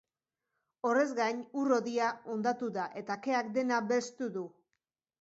Horrez gain, ur-hodia hondatu da eta keak dena belztu du.